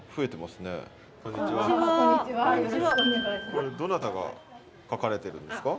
これどなたが書かれてるんですか？